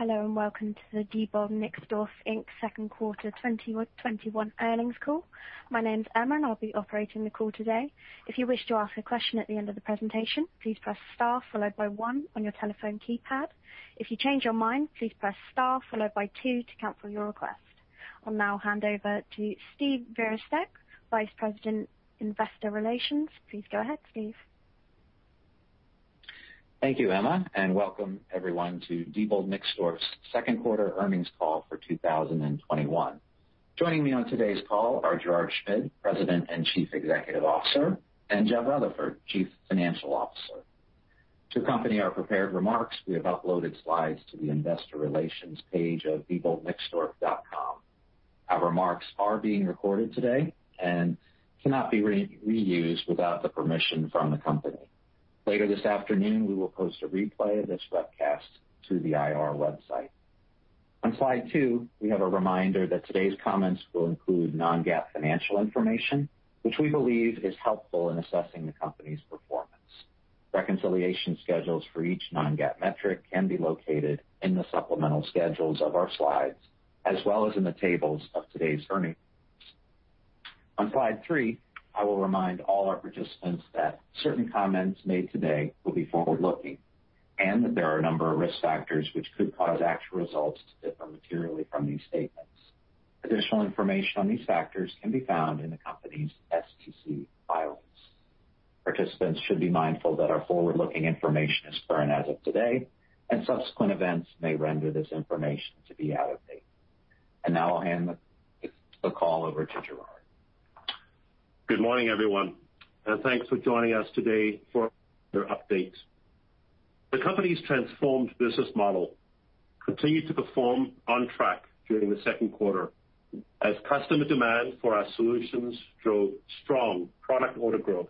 Hello, and welcome to the Diebold Nixdorf Inc. Second Quarter 2021 Earnings Call. My name is Emma, and I'll be operating the call today. If you wish to ask a question at the end of the presentation, please press Star followed by one on your telephone keypad. If you change your mind, please press Star followed by two to cancel your request. I'll now hand over to Steve Virostek, Vice President, Investor Relations. Please go ahead, Steve. Thank you, Emma, and welcome everyone to Diebold Nixdorf's second quarter earnings call for 2021. Joining me on today's call are Gerrard Schmid, President and Chief Executive Officer, and Jeff Rutherford, Chief Financial Officer. To accompany our prepared remarks, we have uploaded slides to the Investor Relations page of dieboldnixdorf.com. Our remarks are being recorded today and cannot be reused without the permission from the company. Later this afternoon, we will post a replay of this webcast to the IR website. On slide two, we have a reminder that today's comments will include non-GAAP financial information, which we believe is helpful in assessing the company's performance. Reconciliation schedules for each non-GAAP metric can be located in the supplemental schedules of our slides, as well as in the tables of today's earnings. On slide three, I will remind all our participants that certain comments made today will be forward-looking, and that there are a number of risk factors which could cause actual results to differ materially from these statements. Additional information on these factors can be found in the company's SEC filings. Participants should be mindful that our forward-looking information is current as of today, and subsequent events may render this information to be out of date. Now I'll hand the call over to Gerrard. Good morning, everyone, and thanks for joining us today for our update. The company's transformed business model continued to perform on track during the second quarter as customer demand for our solutions drove strong product order growth.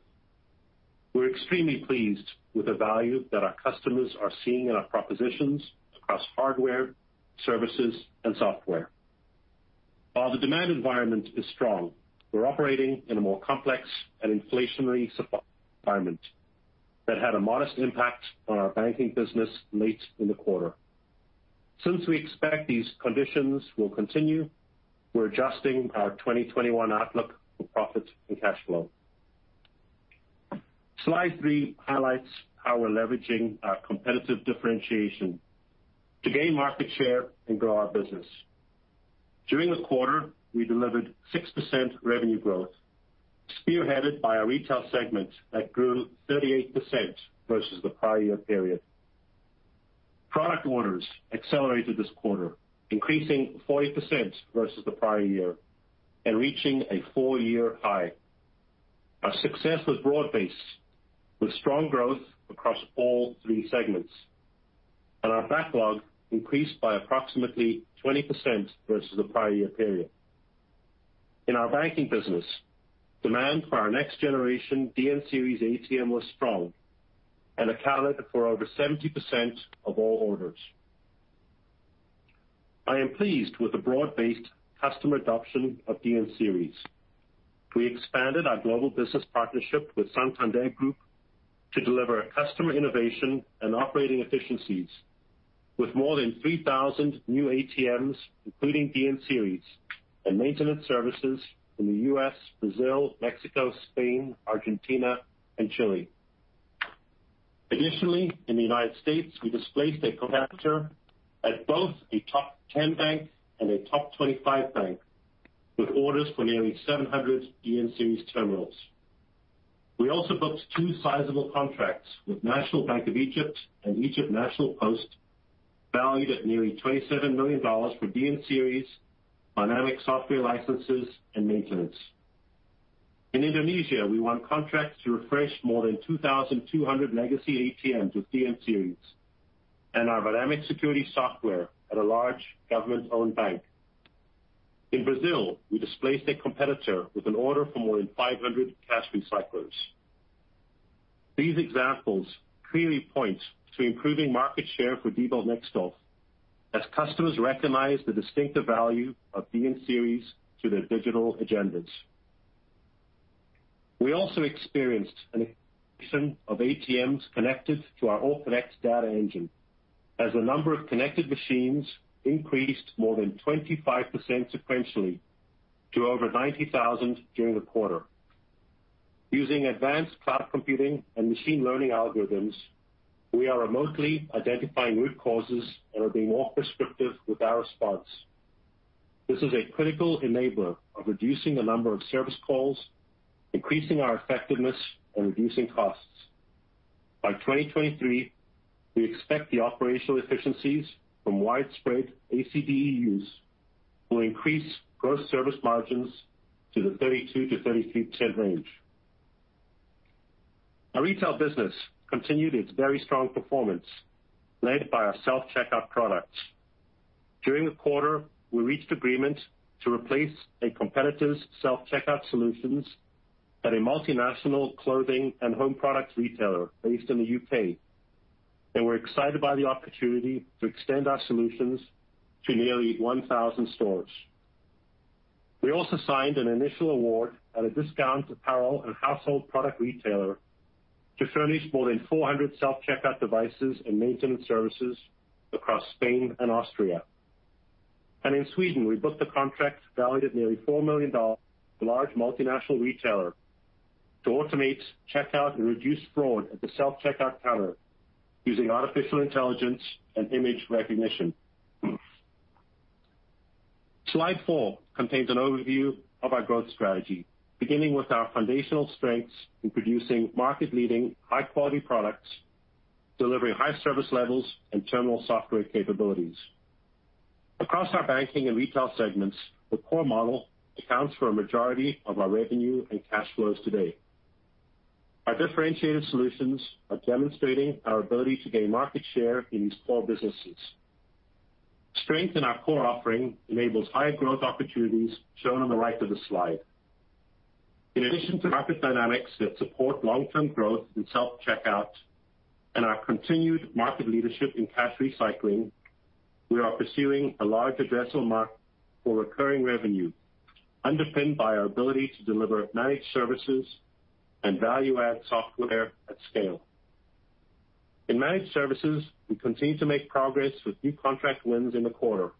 We're extremely pleased with the value that our customers are seeing in our propositions across hardware, services, and software. While the demand environment is strong, we're operating in a more complex and inflationary supply environment that had a modest impact on our banking business late in the quarter. Since we expect these conditions will continue, we're adjusting our 2021 outlook for profit and cash flow. Slide three highlights how we're leveraging our competitive differentiation to gain market share and grow our business. During the quarter, we delivered 6% revenue growth, spearheaded by our retail segment that grew 38% versus the prior year period. Product orders accelerated this quarter, increasing 40% versus the prior year and reaching a four year high. Our success was broad-based, with strong growth across all three segments, and our backlog increased by approximately 20% versus the prior year period. In our banking business, demand for our next-generation DN Series ATM was strong and accounted for over 70% of all orders. I am pleased with the broad-based customer adoption of DN Series. We expanded our global business partnership with Santander Group to deliver customer innovation and operating efficiencies with more than 3,000 new ATMs, including DN Series, and maintenance services in the U.S., Brazil, Mexico, Spain, Argentina, and Chile. Additionally, in the United States, we displaced a competitor at both a top 10 bank and a top 25 bank, with orders for nearly 700 DN Series terminals. We also booked two sizable contracts with National Bank of Egypt and Egypt National Post, valued at nearly $27 million for DN Series, dynamic software licenses, and maintenance. In Indonesia, we won contracts to refresh more than 2,200 legacy ATMs with DN Series and our dynamic security software at a large government-owned bank. In Brazil, we displaced a competitor with an order for more than 500 cash recyclers. These examples clearly point to improving market share for Diebold Nixdorf as customers recognize the distinctive value of DN Series to their digital agendas. We also experienced an increase of ATMs connected to our AllConnect Data Engine as the number of connected machines increased more than 25% sequentially to over 90,000 during the quarter. Using advanced cloud computing and machine learning algorithms, we are remotely identifying root causes and are being more prescriptive with our response. This is a critical enabler of reducing the number of service calls, increasing our effectiveness, and reducing costs. By 2023, we expect the operational efficiencies from widespread ACDE use will increase gross service margins to the 32%-33% range. Our retail business continued its very strong performance, led by our self-checkout products. During the quarter, we reached agreement to replace a competitor's self-checkout solutions at a multinational clothing and home products retailer based in the U.K., and we're excited by the opportunity to extend our solutions to nearly 1,000 stores. We also signed an initial award at a discount apparel and household product retailer to furnish more than 400 self-checkout devices and maintenance services across Spain and Austria. In Sweden, we booked a contract valued at nearly $4 million, a large multinational retailer to automate checkout and reduce fraud at the self-checkout counter using artificial intelligence and image recognition. Slide four contains an overview of our growth strategy, beginning with our foundational strengths in producing market-leading, high-quality products, delivering high service levels and terminal software capabilities. Across our banking and retail segments, the core model accounts for a majority of our revenue and cash flows today. Our differentiated solutions are demonstrating our ability to gain market share in these core businesses. Strength in our core offering enables higher growth opportunities shown on the right of the slide. In addition to market dynamics that support long-term growth in self-checkout and our continued market leadership in cash recycling, we are pursuing a large addressable market for recurring revenue, underpinned by our ability to deliver managed services and value-add software at scale. In managed services, we continue to make progress with new contract wins in the quarter.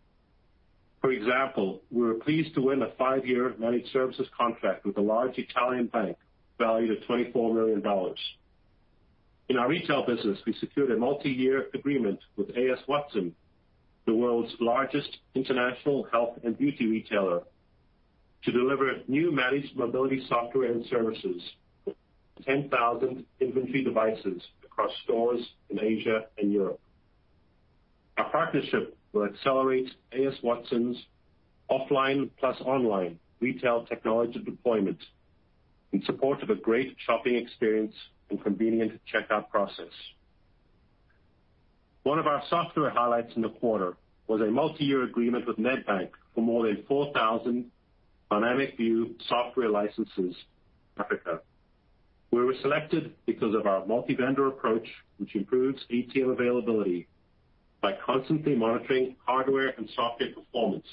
For example, we were pleased to win a five-year managed services contract with a large Italian bank valued at $24 million. In our retail business, we secured a multi-year agreement with A.S. Watson, the world's largest international health and beauty retailer, to deliver new managed mobility software and services for 10,000 inventory devices across stores in Asia and Europe. Our partnership will accelerate A.S. Watson's offline plus online retail technology deployment in support of a great shopping experience and convenient checkout process. One of our software highlights in the quarter was a multi-year agreement with Nedbank for more than 4,000 Vynamic View software licenses in Africa. We were selected because of our multi-vendor approach, which improves ATM availability by constantly monitoring hardware and software performance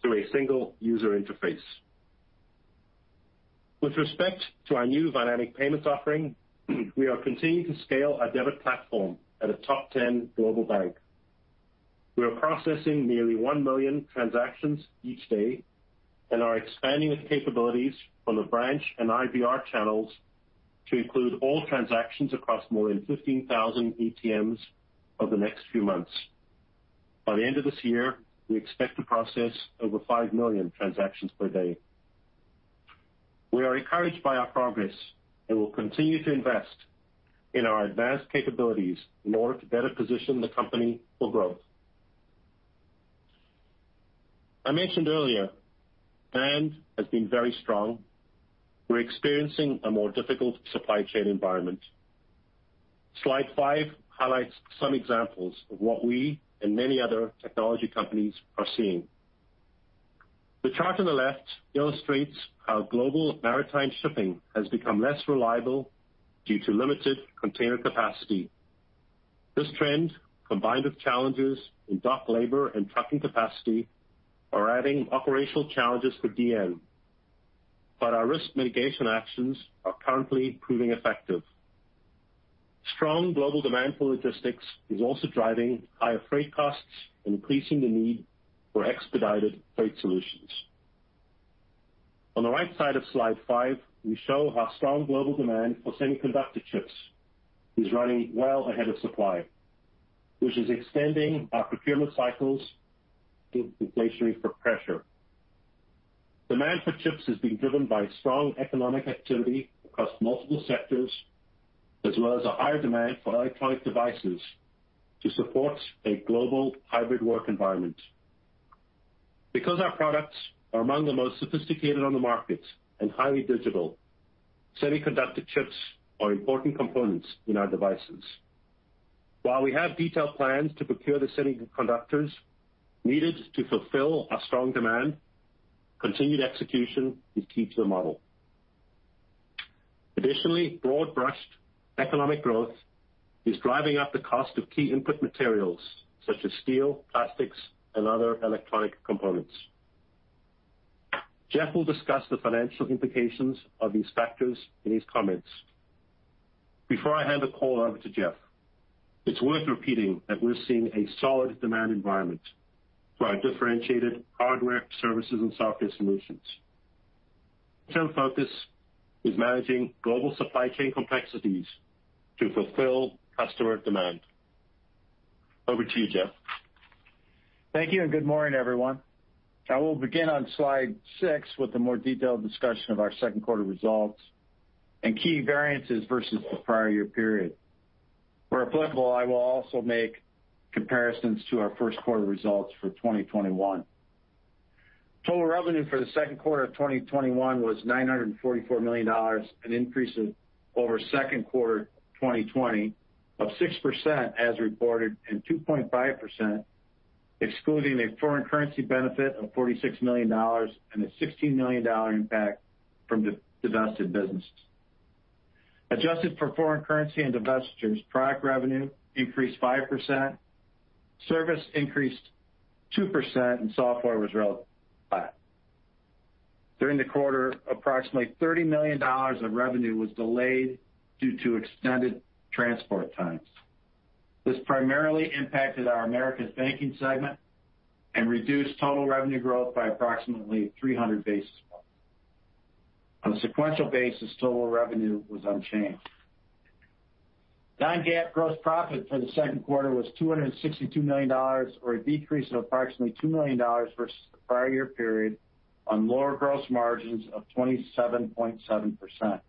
through a single user interface. With respect to our new Vynamic Payments offering, we are continuing to scale our debit platform at a top 10 global bank. We are processing nearly 1 million transactions each day and are expanding its capabilities from the branch and IVR channels to include all transactions across more than 15,000 ATMs over the next few months. By the end of this year, we expect to process over 5 million transactions per day. We are encouraged by our progress and will continue to invest in our advanced capabilities in order to better position the company for growth. I mentioned earlier, demand has been very strong. We're experiencing a more difficult supply chain environment. Slide five highlights some examples of what we and many other technology companies are seeing. The chart on the left illustrates how global maritime shipping has become less reliable due to limited container capacity. This trend, combined with challenges in dock labor and trucking capacity, are adding operational challenges for DN, but our risk mitigation actions are currently proving effective. Strong global demand for logistics is also driving higher freight costs and increasing the need for expedited freight solutions. On the right side of Slide five, we show how strong global demand for semiconductor chips is running well ahead of supply, which is extending our procurement cycles, giving inflationary pressure. Demand for chips is being driven by strong economic activity across multiple sectors, as well as a higher demand for electronic devices to support a global hybrid work environment. Because our products are among the most sophisticated on the market and highly digital, semiconductor chips are important components in our devices. While we have detailed plans to procure the semiconductors needed to fulfill our strong demand, continued execution is key to the model. Additionally, broad-brushed economic growth is driving up the cost of key input materials such as steel, plastics, and other electronic components. Jeff will discuss the financial implications of these factors in his comments. Before I hand the call over to Jeff, it's worth repeating that we're seeing a solid demand environment for our differentiated hardware, services, and software solutions. So focus is managing global supply chain complexities to fulfill customer demand. Over to you, Jeff. Thank you, and good morning, everyone. I will begin on slide six with a more detailed discussion of our second quarter results and key variances versus the prior year period. Where applicable, I will also make comparisons to our first quarter results for 2021. Total revenue for the second quarter of 2021 was $944 million, an increase over second quarter 2020 of 6% as reported, and 2.5% excluding a foreign currency benefit of $46 million and a $16 million impact from divested businesses. Adjusted for foreign currency and divestitures, product revenue increased 5%, service increased 2%, and software was relatively flat. During the quarter, approximately $30 million of revenue was delayed due to extended transport times. This primarily impacted our Americas Banking segment and reduced total revenue growth by approximately 300 basis points. On a sequential basis, total revenue was unchanged. Non-GAAP gross profit for the second quarter was $262 million, or a decrease of approximately $2 million versus the prior year period on lower gross margins of 27.7%.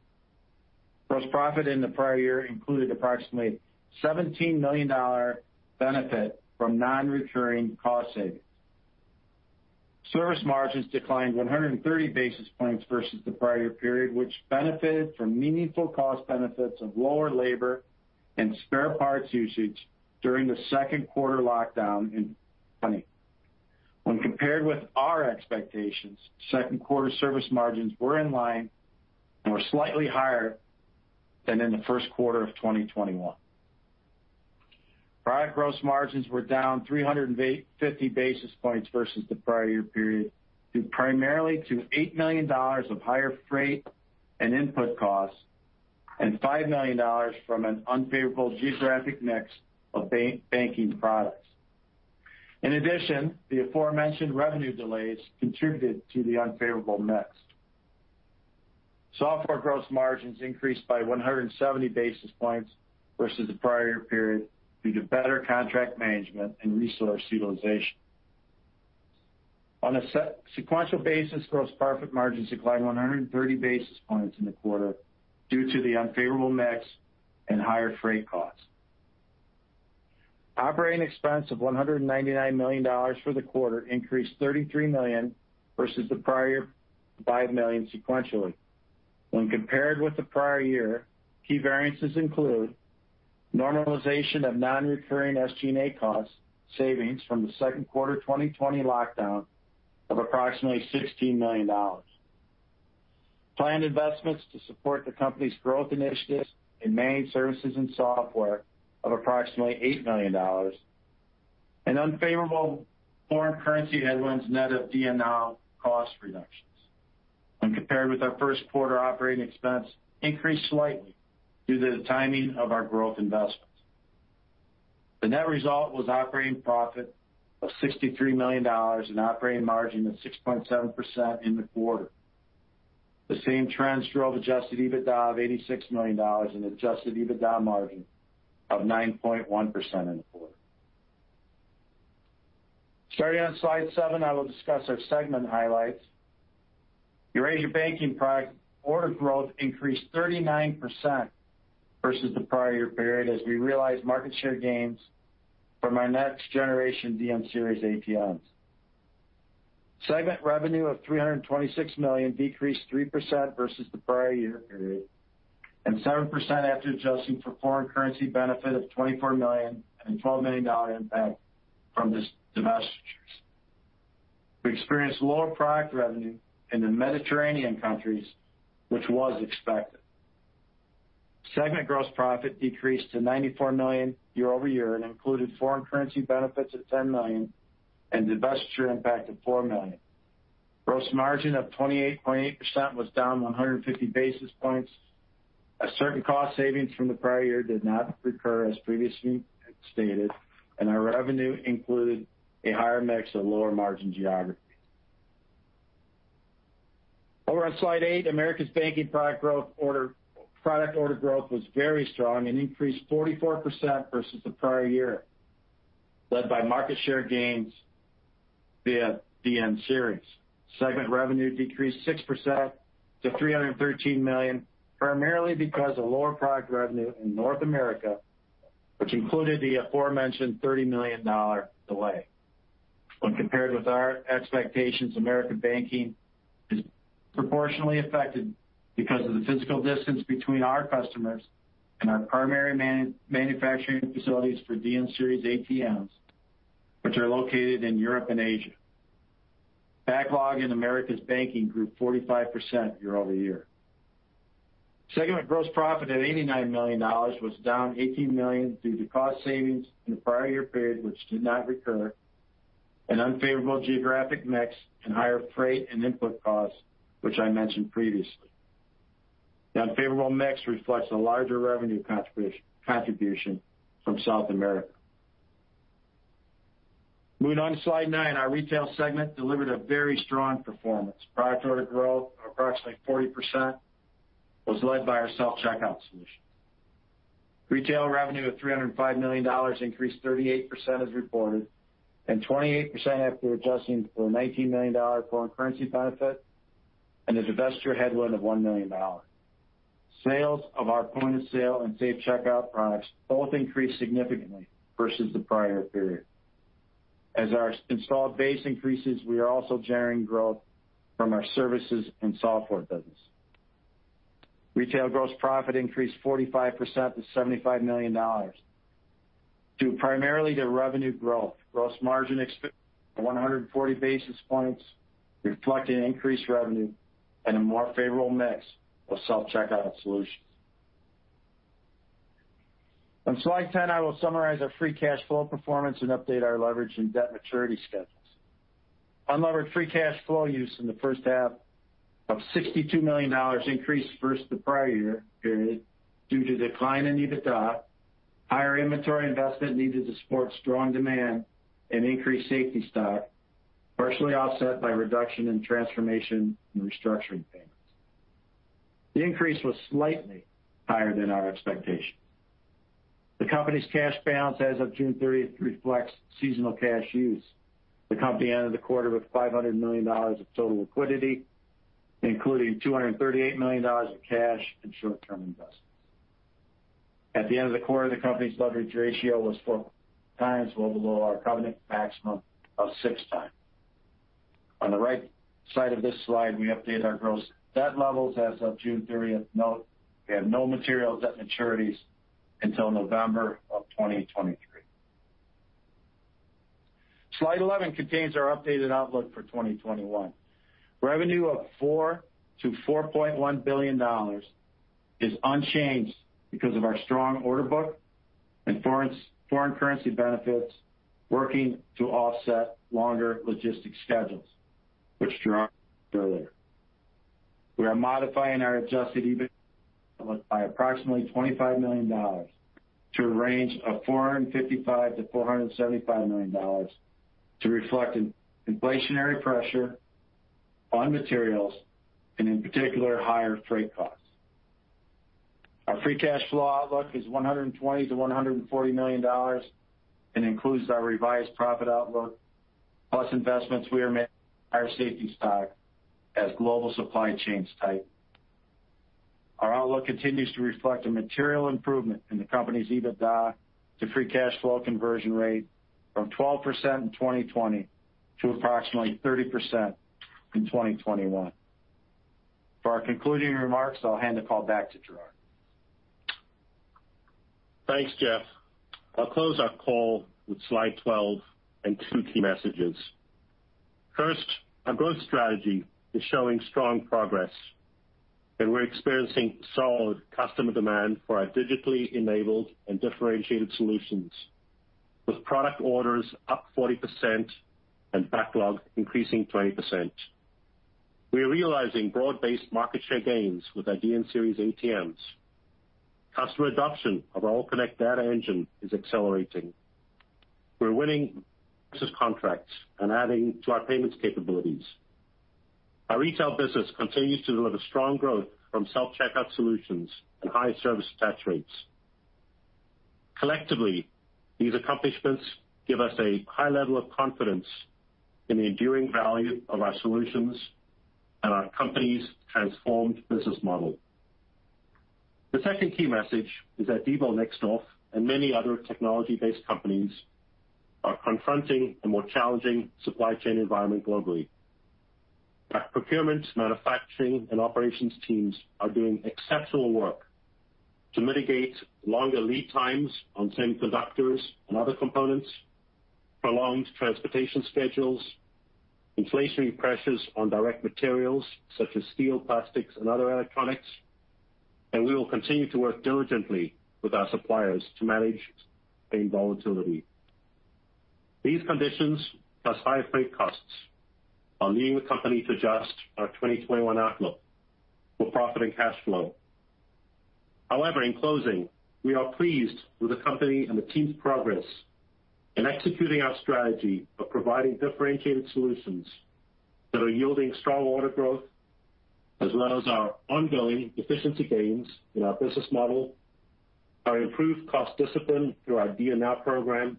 Gross profit in the prior year included approximately $17 million benefit from non-recurring cost savings. Service margins declined 130 basis points versus the prior year period, which benefited from meaningful cost benefits of lower labor and spare parts usage during the second quarter lockdown in 2020. When compared with our expectations, second quarter service margins were in line and were slightly higher than in the first quarter of 2021. Product gross margins were down 350 basis points versus the prior year period, due primarily to $8 million of higher freight and input costs and $5 million from an unfavorable geographic mix of banking products. In addition, the aforementioned revenue delays contributed to the unfavorable mix. Software gross margins increased by 170 basis points versus the prior year period due to better contract management and resource utilization. On a sequential basis, gross profit margins declined 130 basis points in the quarter due to the unfavorable mix and higher freight costs. Operating expense of $199 million for the quarter increased $33 million versus the prior year, $5 million sequentially. When compared with the prior year, key variances include normalization of non-recurring SG&A cost savings from the second quarter 2020 lockdown of approximately $16 million. Planned investments to support the company's growth initiatives in managed services and software of approximately $8 million, and unfavorable foreign currency headwinds net of DN Now cost reductions. When compared with our first quarter operating expense, increased slightly due to the timing of our growth investments. The net result was operating profit of $63 million, an operating margin of 6.7% in the quarter. The same trends drove adjusted EBITDA of $86 million and adjusted EBITDA margin of 9.1% in the quarter. Starting on slide seven, I will discuss our segment highlights. Eurasia Banking product order growth increased 39% versus the prior year period as we realized market share gains from our next generation DN Series ATMs. Segment revenue of $326 million decreased 3% versus the prior year period, and 7% after adjusting for foreign currency benefit of $24 million and a $12 million impact from divestitures. We experienced lower product revenue in the Mediterranean countries, which was expected. Segment gross profit decreased to $94 million year-over-year and included foreign currency benefits of $10 million and divestiture impact of $4 million. Gross margin of 28.8% was down 150 basis points. Certain cost savings from the prior year did not recur, as previously stated, and our revenue included a higher mix of lower margin geographies. Over on slide eight, Americas Banking product order growth was very strong and increased 44% versus the prior year, led by market share gains via DN Series. Segment revenue decreased 6% to $313 million, primarily because of lower product revenue in North America, which included the aforementioned $30 million delay. When compared with our expectations, Americas Banking is proportionally affected because of the physical distance between our customers and our primary manufacturing facilities for DN Series ATMs, which are located in Europe and Asia. Backlog in Americas Banking grew 45% year-over-year. Segment gross profit at $89 million was down $18 million due to cost savings in the prior year period, which did not recur, an unfavorable geographic mix, and higher freight and input costs, which I mentioned previously. The unfavorable mix reflects a larger revenue contribution from South America. Moving on to slide nine, our Retail segment delivered a very strong performance. Product order growth of approximately 40% was led by our self-checkout solution. Retail revenue of $305 million increased 38% as reported, and 28% after adjusting for a $19 million foreign currency benefit and a divestiture headwind of $1 million. Sales of our point-of-sale and self-checkout products both increased significantly versus the prior year period. As our installed base increases, we are also generating growth from our services and software business. Retail gross profit increased 45% to $75 million. Due primarily to revenue growth, gross margin expanded 140 basis points, reflecting increased revenue and a more favorable mix of self-checkout solutions. On slide 10, I will summarize our free cash flow performance and update our leverage and debt maturity schedules. Unlevered free cash flow use in the first half of $62 million increased versus the prior year period due to a decline in EBITDA, higher inventory investment needed to support strong demand and increased safety stock, partially offset by reduction in transformation and restructuring payments. The increase was slightly higher than our expectations. The company's cash balance as of June 30th reflects seasonal cash use. The company ended the quarter with $500 million of total liquidity, including $238 million of cash and short-term investments. At the end of the quarter, the company's leverage ratio was 4x, well below our covenant maximum of 6x. On the right side of this slide, we update our gross debt levels as of June 30th. Note we have no material debt maturities until November of 2023. Slide 11 contains our updated outlook for 2021. Revenue of $4 billion-$4.1 billion is unchanged because of our strong order book and foreign currency benefits working to offset longer logistics schedules, which Gerrard went through earlier. We are modifying our adjusted EBITDA by approximately $25 million to a range of $455 million-$475 million to reflect inflationary pressure on materials and, in particular, higher freight costs. Our free cash flow outlook is $120 million-$140 million and includes our revised profit outlook, plus investments we are making in higher safety stock as global supply chains tighten. Our outlook continues to reflect a material improvement in the company's EBITDA to free cash flow conversion rate from 12% in 2020 to approximately 30% in 2021. For our concluding remarks, I'll hand the call back to Gerrard. Thanks, Jeff. I'll close our call with slide 12 and two key messages. First, our growth strategy is showing strong progress, and we're experiencing solid customer demand for our digitally enabled and differentiated solutions, with product orders up 40% and backlog increasing 20%. We are realizing broad-based market share gains with our DN Series ATMs. Customer adoption of our AllConnect Data Engine is accelerating. We're winning contracts and adding to our payments capabilities. Our retail business continues to deliver strong growth from self-checkout solutions and high service attach rates. Collectively, these accomplishments give us a high level of confidence in the enduring value of our solutions and our company's transformed business model. The second key message is that Diebold Nixdorf and many other technology-based companies are confronting a more challenging supply chain environment globally. Our procurement, manufacturing, and operations teams are doing exceptional work to mitigate longer lead times on semiconductors and other components, prolonged transportation schedules, inflationary pressures on direct materials such as steel, plastics, and other electronics. We will continue to work diligently with our suppliers to manage volatility. These conditions, plus higher freight costs, are leading the company to adjust our 2021 outlook for profit and cash flow. In closing, we are pleased with the company and the team's progress in executing our strategy of providing differentiated solutions that are yielding strong order growth as well as our ongoing efficiency gains in our business model, our improved cost discipline through our DN Now program,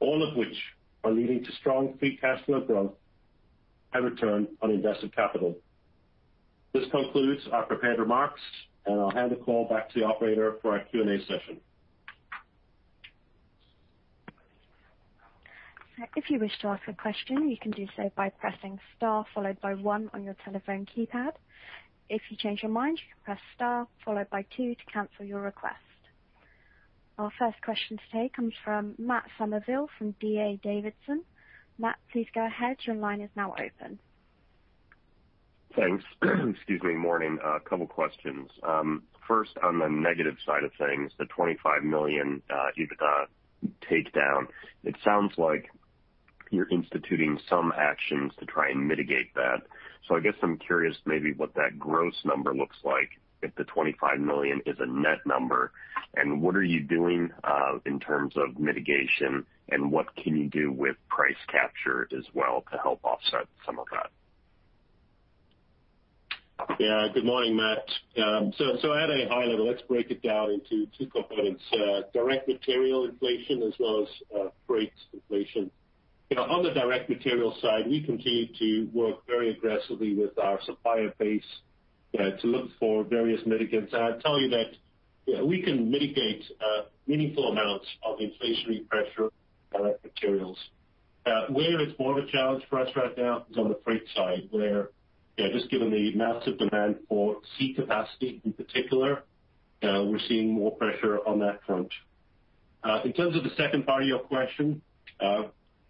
all of which are leading to strong free cash flow growth and return on invested capital. This concludes our prepared remarks. I'll hand the call back to the operator for our Q&A session. Our first question today comes from Matt Summerville from D.A. Davidson. Matt, please go ahead. Your line is now open. Thanks. Excuse me. Morning. A couple of questions. On the negative side of things, the $25 million EBITDA takedown. It sounds like you're instituting some actions to try and mitigate that. I guess I'm curious maybe what that gross number looks like if the $25 million is a net number, and what are you doing in terms of mitigation, and what can you do with price capture as well to help offset some of that? Yeah. Good morning, Matt. At a high level, let's break it down into two components, direct material inflation as well as freight inflation. On the direct material side, we continue to work very aggressively with our supplier base to look for various mitigants. I'd tell you that we can mitigate meaningful amounts of inflationary pressure on direct materials. Where it's more of a challenge for us right now is on the freight side, where just given the massive demand for sea capacity in particular, we're seeing more pressure on that front. In terms of the second part of your question,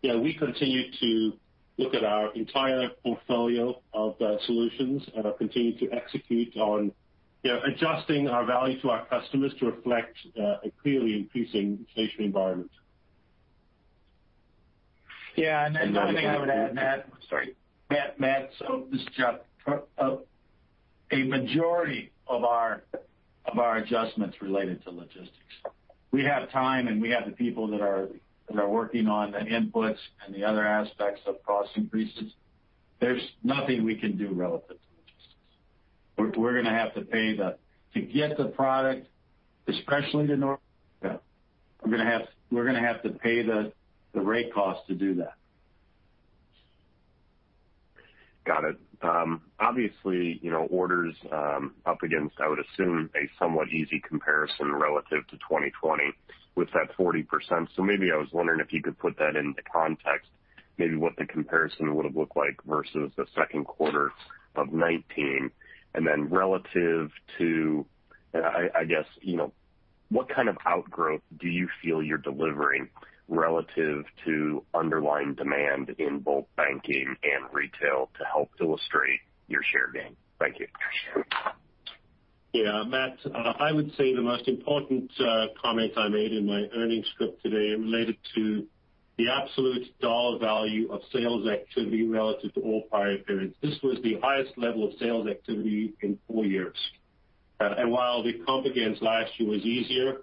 we continue to look at our entire portfolio of solutions and are continuing to execute on adjusting our value to our customers to reflect a clearly increasing inflation environment. The other thing I would add, Matt. Sorry, Matt. This is Jeff. A majority of our adjustments related to logistics. We have time, and we have the people that are working on the inputs and the other aspects of cost increases. There's nothing we can do relative to logistics. We're going to have to pay to get the product, especially to North America. We're going to have to pay the rate cost to do that. Got it. Obviously, orders up against, I would assume, a somewhat easy comparison relative to 2020 with that 40%. Maybe I was wondering if you could put that into context, maybe what the comparison would have looked like versus the second quarter of 2019. Relative to, I guess, what kind of outgrowth do you feel you're delivering relative to underlying demand in both banking and retail to help illustrate your share gain? Thank you. Yeah, Matt, I would say the most important comment I made in my earnings script today related to the absolute dollar value of sales activity relative to all prior periods. This was the highest level of sales activity in four years. While the comp against last year was easier,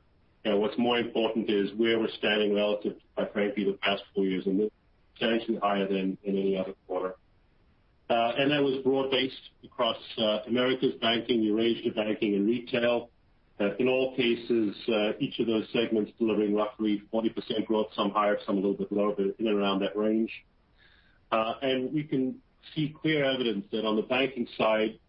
what's more important is where we're standing relative to, quite frankly, the past four years, and this is substantially higher than in any other quarter. That was broad-based across Americas Banking, Eurasia Banking, and retail. In all cases, each of those segments delivering roughly 40% growth, some higher, some a little bit lower, but in and around that range. We can see clear evidence that on the banking side,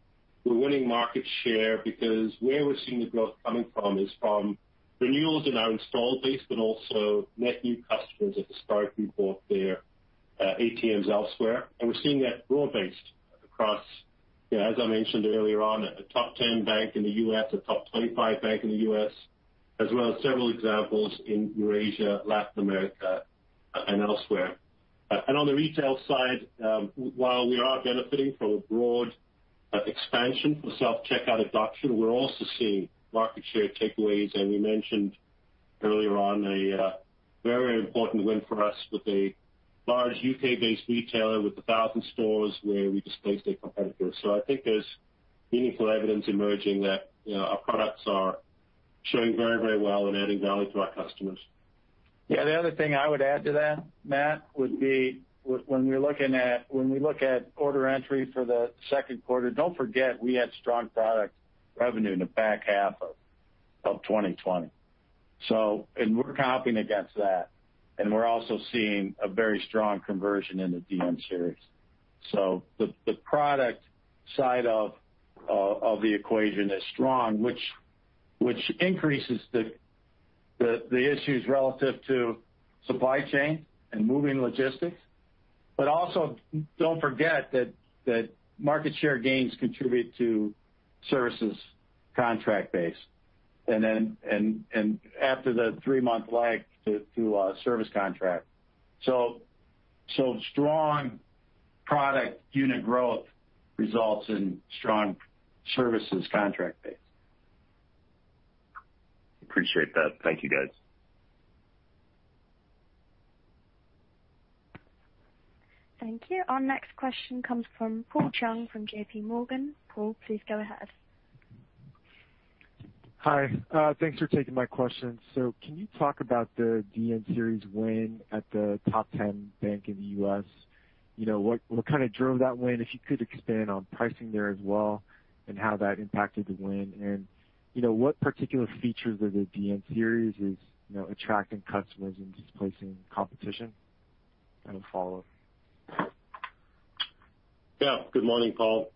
we're winning market share because where we're seeing the growth coming from is from renewals in our installed base, but also net new customers that historically bought their ATMs elsewhere. We're seeing that broad-based across, as I mentioned earlier on, a top 10 bank in the U.S., a top 25 bank in the U.S., as well as several examples in Eurasia, Latin America, and elsewhere. On the retail side, while we are benefiting from a broad expansion for self-checkout adoption, we're also seeing market share takeaways. We mentioned earlier on a very important win for us with a large U.K.-based retailer with 1,000 stores where we displaced a competitor. I think there's meaningful evidence emerging that our products are showing very well and adding value to our customers. Yeah. The other thing I would add to that, Matt, would be when we look at order entry for the second quarter, don't forget we had strong product revenue in the back half of 2020. We're comping against that, and we're also seeing a very strong conversion in the DN Series. The product side of the equation is strong, which increases the issues relative to supply chain and moving logistics. Also don't forget that market share gains contribute to services contract base, after the three-month lag to a service contract. Strong product unit growth results in strong services contract base. Appreciate that. Thank you, guys. Thank you. Our next question comes from Paul Chung from JPMorgan. Paul, please go ahead. Hi. Thanks for taking my question. Can you talk about the DN Series win at the top 10 bank in the U.S.? What kind of drove that win? If you could expand on pricing there as well and how that impacted the win. What particular features of the DN Series is attracting customers and displacing competition? A follow-up. Yeah. Good morning, Paul.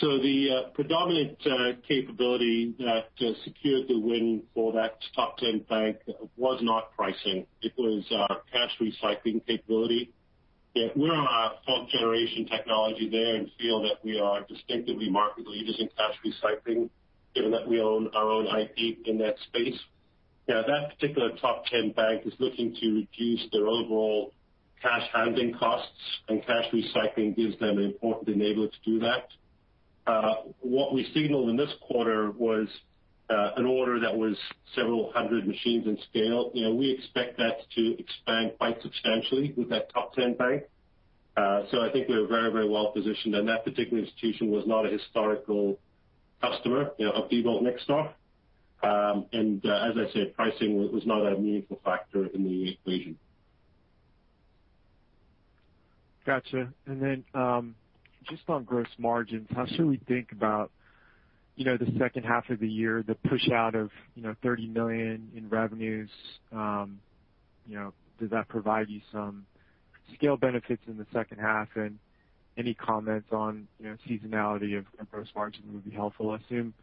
The predominant capability that secured the win for that top 10 bank was not pricing. It was our cash recycling capability. We're on our fourth-generation technology there and feel that we are distinctively market leaders in cash recycling, given that we own our own IP in that space. That particular top 10 bank is looking to reduce their overall cash handling costs, and cash recycling gives them an important enabler to do that. What we signaled in this quarter was an order that was several hundred machines in scale. We expect that to expand quite substantially with that top 10 bank. I think we are very well-positioned. That particular institution was not a historical customer of Diebold Nixdorf. As I said, pricing was not a meaningful factor in the equation. Got you. Just on gross margins, how should we think about the second half of the year, the push out of $30 million in revenues? Does that provide you some scale benefits in the second half, and any comments on seasonality of gross margin would be helpful. I assume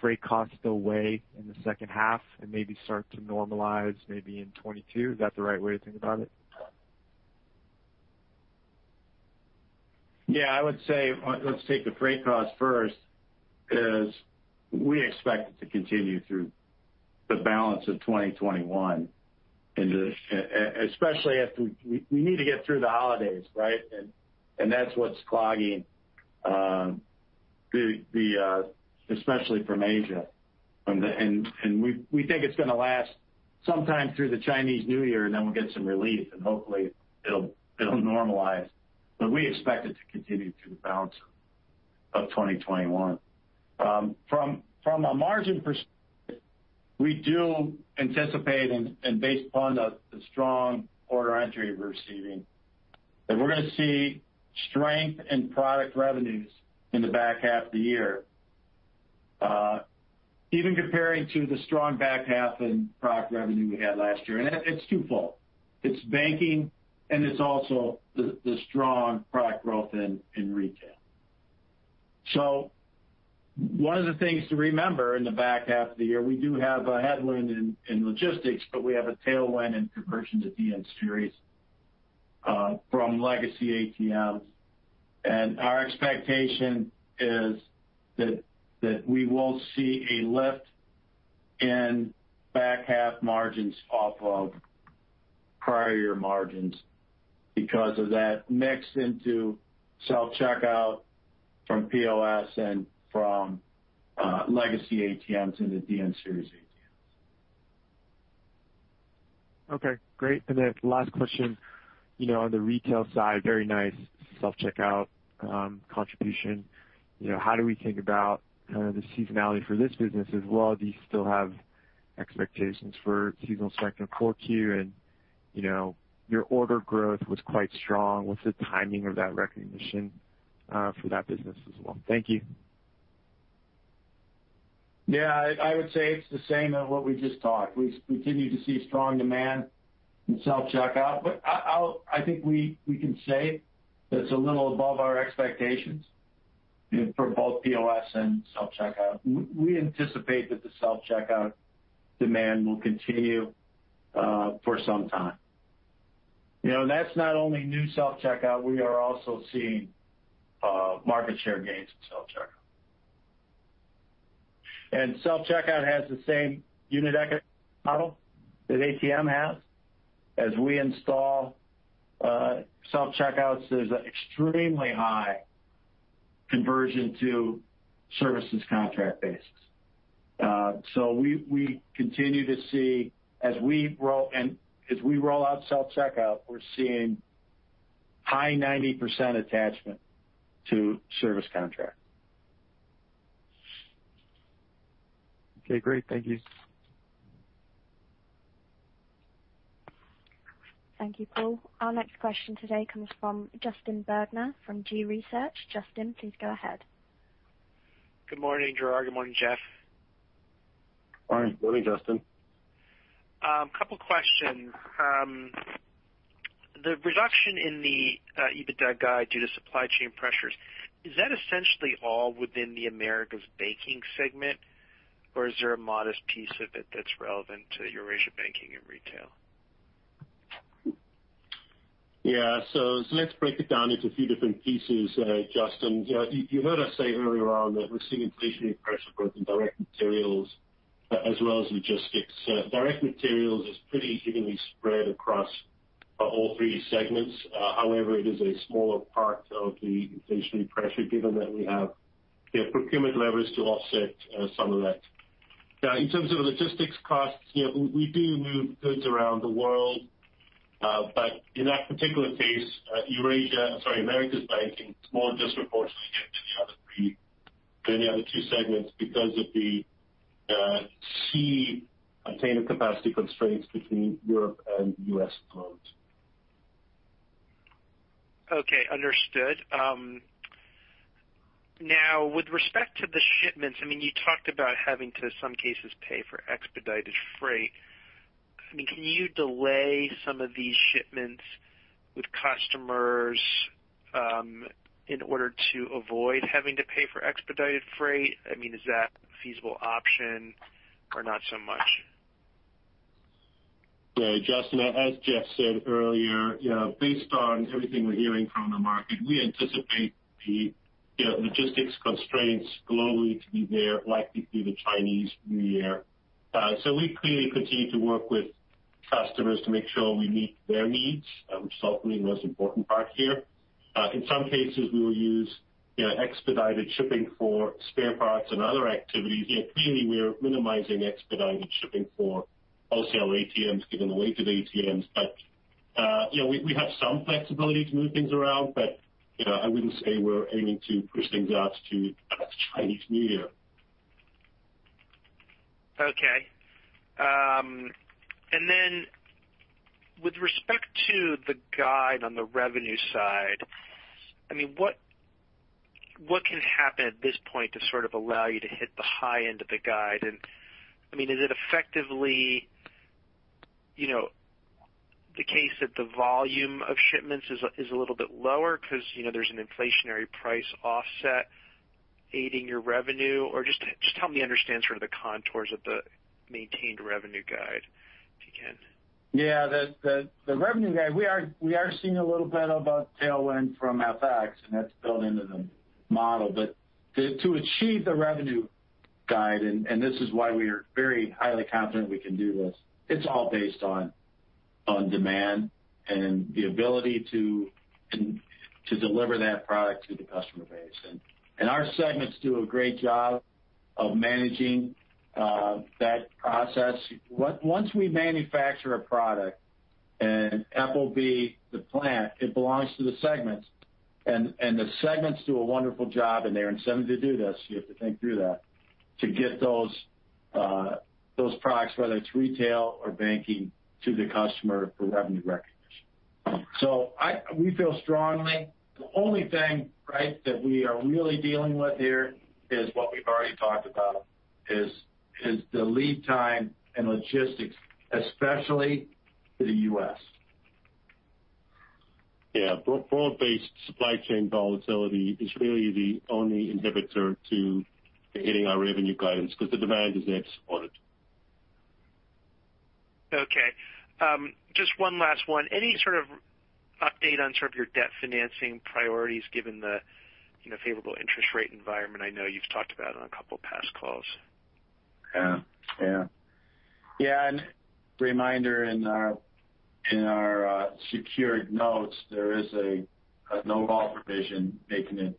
freight costs still weigh in the second half and maybe start to normalize maybe in 2022. Is that the right way to think about it? Yeah. I would say, let's take the freight cost first. We expect it to continue through the balance of 2021. Especially after we need to get through the holidays, right? That's what's clogging, especially from Asia. We think it's going to last sometime through the Chinese New Year. Then we'll get some relief, and hopefully it'll normalize. We expect it to continue through the balance of 2021. From a margin perspective, we do anticipate, and based upon the strong order entry we're receiving, that we're going to see strength in product revenues in the back half of the year. Even comparing to the strong back half in product revenue we had last year. It's twofold. It's banking, and it's also the strong product growth in retail. One of the things to remember in the back half of the year, we do have a headwind in logistics, but we have a tailwind in conversion to DN Series from legacy ATMs. Our expectation is that we will see a lift in back-half margins off of prior year margins because of that mix into self-checkout from POS and from legacy ATMs into DN Series ATMs. Okay, great. Then last question. On the retail side, very nice self-checkout contribution. How do we think about the seasonality for this business as well? Do you still have expectations for seasonal strength in 4Q? Your order growth was quite strong. What's the timing of that recognition for that business as well? Thank you. Yeah, I would say it's the same as what we just talked. We continue to see strong demand in self-checkout. I think we can say that it's a little above our expectations for both POS and self-checkout. We anticipate that the self-checkout demand will continue for some time. That's not only new self-checkout, we are also seeing market share gains in self-checkout. self-checkout has the same unit economic model that ATM has. As we install self-checkouts, there's an extremely high conversion to services contract basis. We continue to see, as we roll out self-checkout, we're seeing high 90% attachment to service contracts. Okay, great. Thank you. Thank you, Paul. Our next question today comes from Justin Bergner from Gabelli Funds. Justin, please go ahead. Good morning, Gerrard. Good morning, Jeff. Morning. Morning, Justin. A couple questions. The reduction in the EBITDA guide due to supply chain pressures, is that essentially all within the Americas Banking segment, or is there a modest piece of it that's relevant to Eurasia Banking and retail? Yeah. Let's break it down into a few different pieces, Justin. You heard us say earlier on that we're seeing inflationary pressure both in direct materials as well as logistics. Direct materials is pretty evenly spread across all three segments. However, it is a smaller part of the inflationary pressure given that we have procurement levers to offset some of that. Now, in terms of logistics costs, we do move goods around the world. In that particular case, Americas Banking, it's more disproportionately hit than the other two segments because of the sea container capacity constraints between Europe and U.S. ports. Okay. Understood. With respect to the shipments, you talked about having to, some cases, pay for expedited freight. Can you delay some of these shipments with customers in order to avoid having to pay for expedited freight? Is that a feasible option or not so much? Justin, as Jeff said earlier, based on everything we're hearing from the market, we anticipate the logistics constraints globally to be there likely through the Chinese New Year. We clearly continue to work with customers to make sure we meet their needs, which is ultimately the most important part here. In some cases, we will use expedited shipping for spare parts and other activities. Clearly, we are minimizing expedited shipping for wholesale ATMs given the weight of ATMs. We have some flexibility to move things around, but I wouldn't say we're aiming to push things out to Chinese New Year. Okay. With respect to the guide on the revenue side, what can happen at this point to sort of allow you to hit the high end of the guide? Is it effectively the case that the volume of shipments is a little bit lower because there's an inflationary price offset aiding your revenue? Just help me understand sort of the contours of the maintained revenue guide, if you can. The revenue guide, we are seeing a little bit of a tailwind from FX, and that's built into the model. To achieve the revenue guide, and this is why we are very highly confident we can do this, it's all based on demand and the ability to deliver that product to the customer base. Our segments do a great job of managing that process. Once we manufacture a product and it will be the plant, it belongs to the segments, and the segments do a wonderful job, and they're incented to do this, you have to think through that, to get those products, whether it's retail or banking, to the customer for revenue recognition. We feel strongly. The only thing that we are really dealing with here is what we've already talked about, is the lead time and logistics, especially to the U.S. Yeah. Broad-based supply chain volatility is really the only inhibitor to hitting our revenue guidance because the demand is there to support it. Okay. Just one last one. Any sort of update on sort of your debt financing priorities given the favorable interest rate environment? I know you've talked about it on a couple of past calls. Yeah. Reminder, in our secured notes, there is a no-call provision making it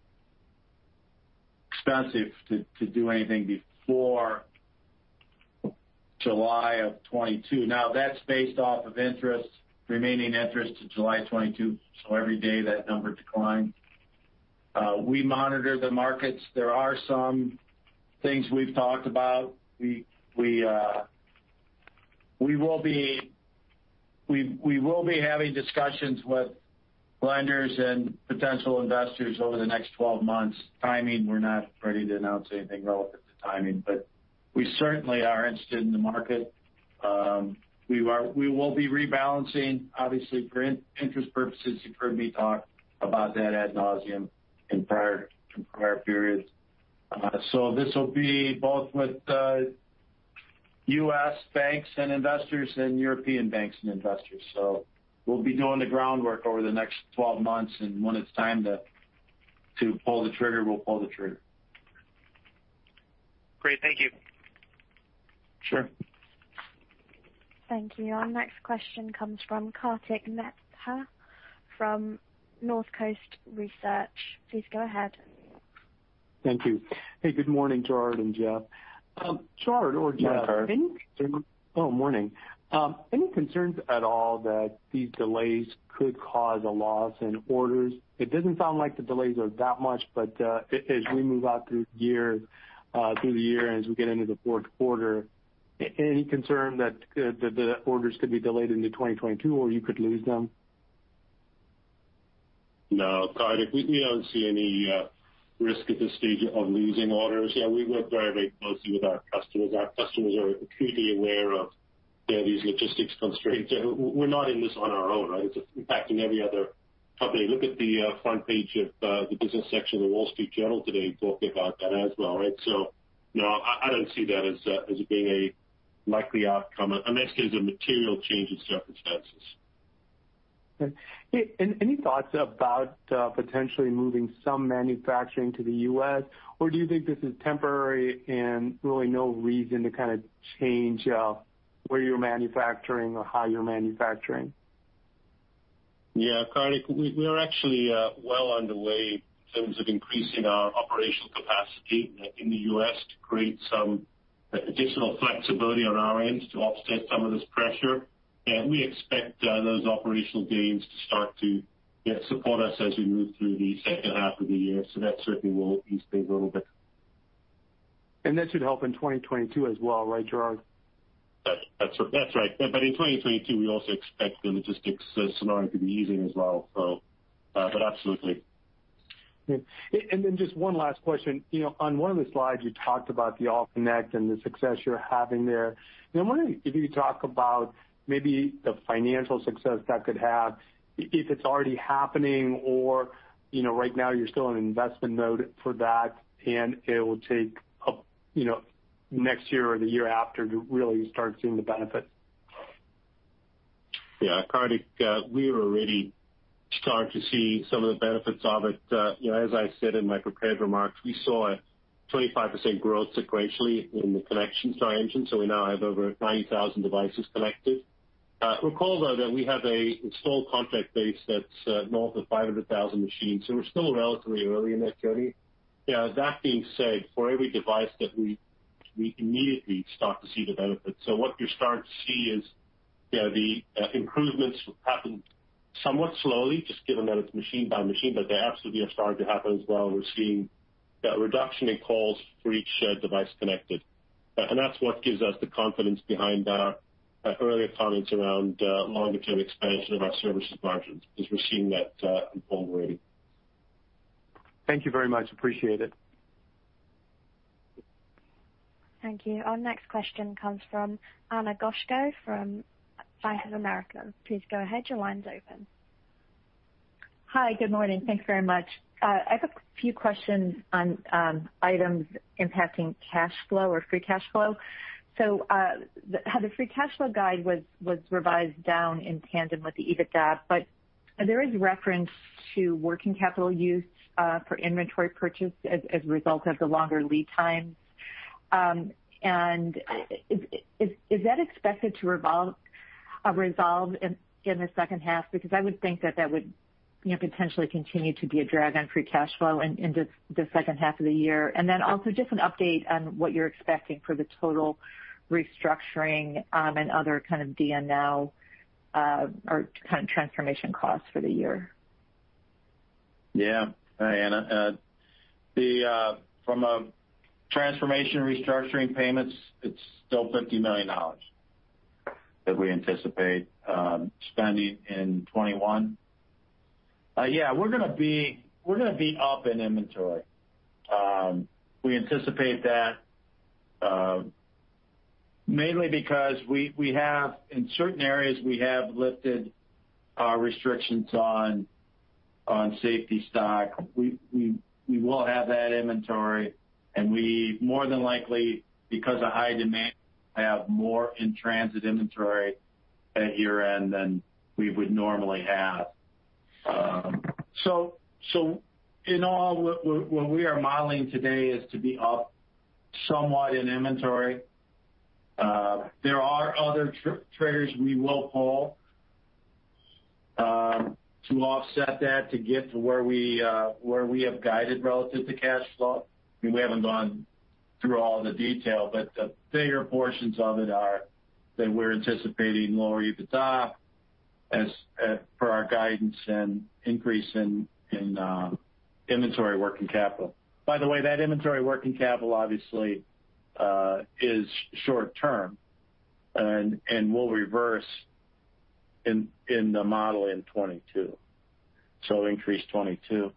expensive to do anything before July of 2022. Now, that's based off of remaining interest to July 2022. Every day, that number declines. We monitor the markets. There are some things we've talked about. We will be having discussions with lenders and potential investors over the next 12 months. Timing, we're not ready to announce anything relevant to timing. We certainly are interested in the market. We will be rebalancing, obviously, for interest purposes. You've heard me talk about that ad nauseam in prior periods. This will be both with U.S. banks and investors and European banks and investors. We'll be doing the groundwork over the next 12 months, and when it's time to pull the trigger, we'll pull the trigger. Great. Thank you. Sure. Thank you. Our next question comes from Kartik Mehta from Northcoast Research. Please go ahead. Thank you. Hey, good morning, Gerrard and Jeff. Kartik. Oh, morning. Any concerns at all that these delays could cause a loss in orders? It doesn't sound like the delays are that much, but as we move out through the year and as we get into the fourth quarter, any concern that the orders could be delayed into 2022, or you could lose them? No, Kartik, we don't see any risk at this stage of losing orders. Yeah, we work very closely with our customers. Our customers are acutely aware of these logistics constraints. We're not in this on our own. It's impacting every other company. Look at the front page of the business section of The Wall Street Journal today, talking about that as well. No, I don't see that as being a likely outcome unless there's a material change in circumstances. Okay. Any thoughts about potentially moving some manufacturing to the U.S., or do you think this is temporary and really no reason to kind of change where you're manufacturing or how you're manufacturing? Yeah, Kartik, we are actually well underway in terms of increasing our operational capacity in the U.S. to create some additional flexibility on our end to offset some of this pressure. We expect those operational gains to start to support us as we move through the second half of the year. That certainly will ease things a little bit. That should help in 2022 as well, right, Gerrard? That's right. In 2022, we also expect the logistics scenario to be easing as well. Absolutely. Okay. Just one last question. On one of the slides, you talked about the AllConnect and the success you're having there. I'm wondering if you could talk about maybe the financial success that could have, if it's already happening or right now you're still in investment mode for that and it will take next year or the year after to really start seeing the benefits. Yeah. Kartik, we are already starting to see some of the benefits of it. As I said in my prepared remarks, we saw a 25% growth sequentially in the Connections engine, so we now have over 90,000 devices connected. Recall, though, that we have an installed contract base that's north of 500,000 machines, so we're still relatively early in that journey. That being said, for every device, we immediately start to see the benefits. What you're starting to see is the improvements happen somewhat slowly, just given that it's machine by machine, but they absolutely are starting to happen as well. We're seeing a reduction in calls for each device connected. That's what gives us the confidence behind our earlier comments around longer-term expansion of our services margins, because we're seeing that evolve already. Thank you very much. Appreciate it. Thank you. Our next question comes from Ana Goshko from Bank of America. Please go ahead. Your line's open. Hi. Good morning. Thanks very much. I have a few questions on items impacting cash flow or free cash flow. The free cash flow guide was revised down in tandem with the EBITDA, but there is reference to working capital use for inventory purchase as a result of the longer lead times. Is that expected to resolve in the second half? Because I would think that that would potentially continue to be a drag on free cash flow in the second half of the year. Also just an update on what you're expecting for the total restructuring, and other kind of DN Now or kind of transformation costs for the year. Hi, Ana. From a transformation restructuring payments, it's still $50 million that we anticipate spending in 2021. We're going to be up in inventory. We anticipate that mainly because in certain areas we have lifted our restrictions on safety stock. We will have that inventory and we more than likely, because of high demand, have more in-transit inventory at year-end than we would normally have. In all, what we are modeling today is to be up somewhat in inventory. There are other triggers we will pull to offset that to get to where we have guided relative to cash flow. We haven't gone through all the detail, but the bigger portions of it are that we're anticipating lower EBITDA as for our guidance and increase in inventory working capital. By the way, that inventory working capital obviously is short-term and will reverse in the model in 2022, so it'll increase 2022.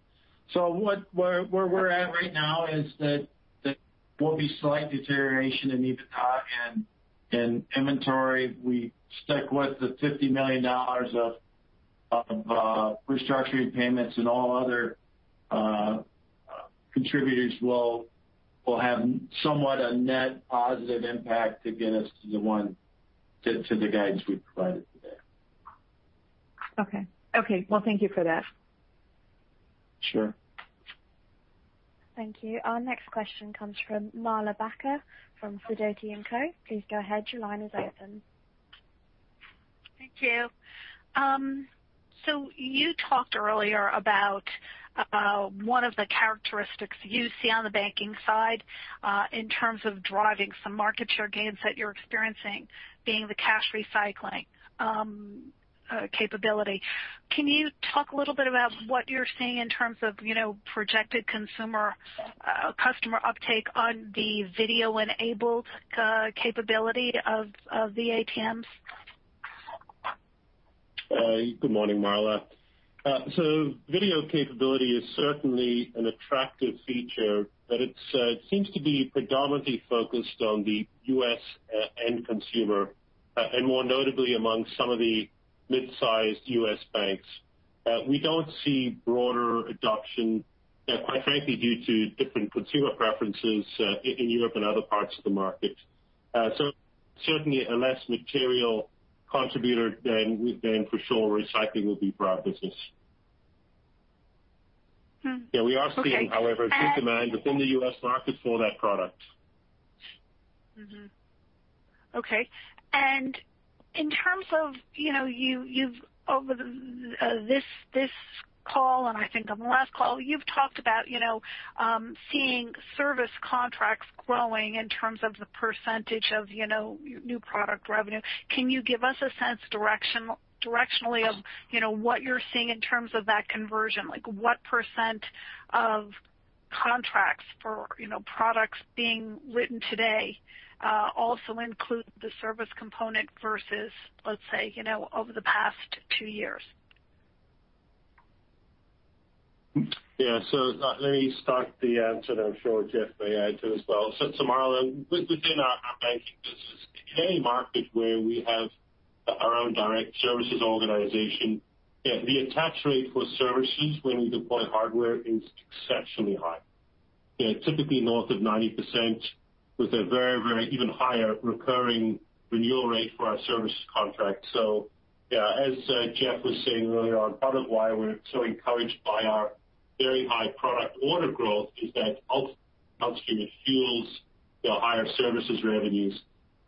Where we're at right now is that there will be slight deterioration in EBITDA and inventory. We stuck with the $50 million of restructuring payments, and all other contributors will have somewhat a net positive impact to get us to the guidance we've provided today. Okay. Thank you for that. Sure. Thank you. Our next question comes from Marla Backer from Sidoti & Co. Please go ahead. Your line is open. Thank you. You talked earlier about one of the characteristics you see on the banking side in terms of driving some market share gains that you're experiencing being the cash recycling capability. Can you talk a little bit about what you're seeing in terms of projected consumer customer uptake on the video-enabled capability of the ATMs? Good morning, Marla. Video capability is certainly an attractive feature, but it seems to be predominantly focused on the U.S. end consumer, and more notably among some of the mid-sized U.S. banks. We don't see broader adoption, quite frankly, due to different consumer preferences in Europe and other parts of the market. Certainly a less material contributor than for sure recycling will be for our business. Okay. We are seeing, however, good demand within the U.S. market for that product. Mm-hmm. Okay. In terms of Over this call, and I think on the last call, you've talked about seeing service contracts growing in terms of the % of new product revenue. Can you give us a sense directionally of what you're seeing in terms of that conversion? What percent of contracts for products being written today also include the service component versus, let's say over the past two years? Yeah. Let me start the answer, and I'm sure Jeff may add to it as well. Marla, within our banking business, in any market where we have our own direct services organization, the attach rate for services when we deploy hardware is exceptionally high. Typically north of 90% with a very even higher recurring renewal rate for our services contract. Yeah, as Jeff was saying earlier on, part of why we're so encouraged by our very high product order growth is that ultimately it fuels higher services revenues.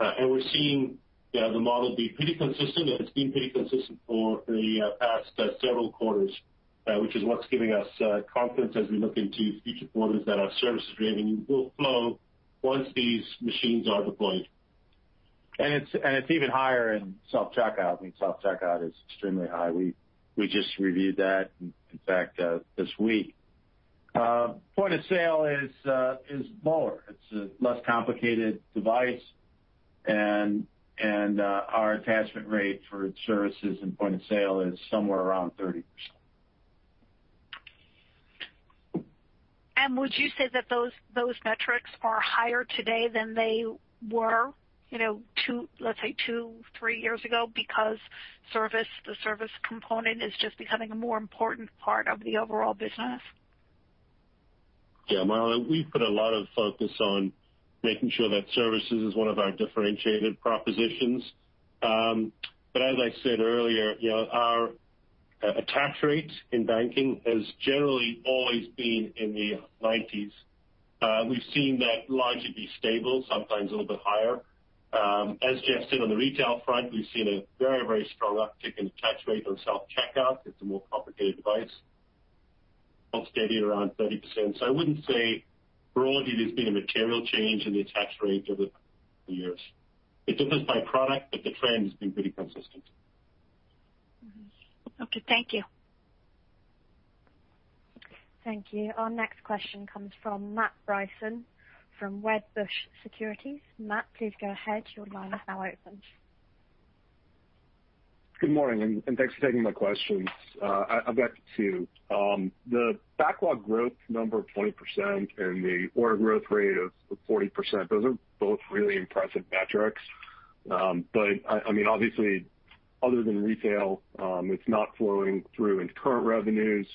We're seeing the model be pretty consistent, and it's been pretty consistent for the past several quarters, which is what's giving us confidence as we look into future quarters that our services revenue will flow once these machines are deployed. It's even higher in self-checkout. I mean, self-checkout is extremely high. We just reviewed that, in fact, this week. Point-of-sale is lower. It's a less complicated device, and our attachment rate for services in point-of-sale is somewhere around 30%. Would you say that those metrics are higher today than they were, let's say, two, three years ago because the service component is just becoming a more important part of the overall business? Yeah, Marla, we've put a lot of focus on making sure that services is one of our differentiated propositions. As I said earlier, our attach rate in banking has generally always been in the 90s. We've seen that largely be stable, sometimes a little bit higher. As Jeff said, on the retail front, we've seen a very strong uptick in attach rate on self-checkout. It's a more complicated device. Hold steady around 30%. I wouldn't say broadly there's been a material change in the attach rate over the years. It differs by product, but the trend has been pretty consistent. Mm-hmm. Okay. Thank you. Thank you. Our next question comes from Matt Bryson from Wedbush Securities. Matt, please go ahead. Your line is now open. Good morning, thanks for taking my questions. I've got two. The backlog growth number of 20% and the order growth rate of 40%, those are both really impressive metrics. Obviously other than retail, it's not flowing through into current revenues.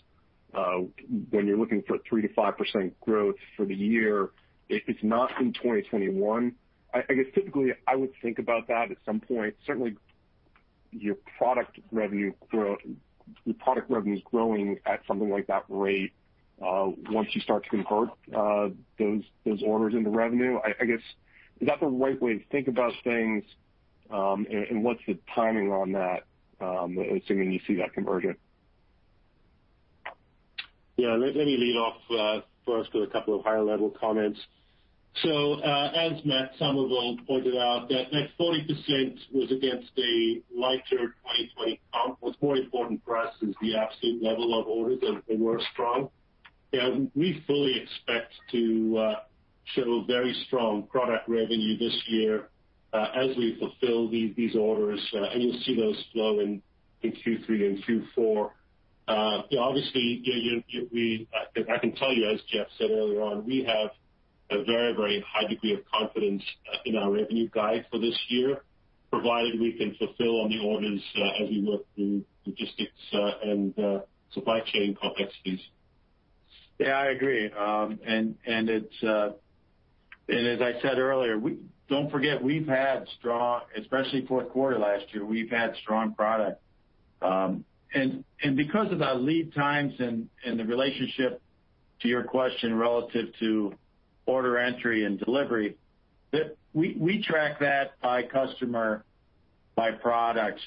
When you're looking for 3%-5% growth for the year, if it's not in 2021, I guess typically I would think about that at some point. Certainly, your product revenue is growing at something like that rate once you start to convert those orders into revenue. I guess, is that the right way to think about things? What's the timing on that, assuming you see that conversion? Yeah. Let me lead off first with a couple of higher-level comments. As Matt Summerville pointed out, that 40% was against a lighter 2020 comp. What's more important for us is the absolute level of orders, that they were strong. We fully expect to show very strong product revenue this year as we fulfill these orders, and you'll see those flow in Q3 and Q4. Obviously, I can tell you, as Jeff said earlier on, we have a very high degree of confidence in our revenue guide for this year, provided we can fulfill on the orders as we work through logistics and supply chain complexities. Yeah, I agree. As I said earlier, don't forget, especially fourth quarter last year, we've had strong product. Because of the lead times and the relationship to your question relative to order entry and delivery, we track that by customer, by product.